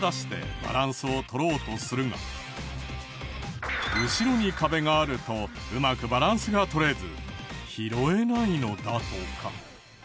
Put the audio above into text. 人は後ろに壁があるとうまくバランスが取れず拾えないのだとか。